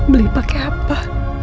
beli pake apa